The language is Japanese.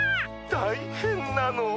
たいへんなの。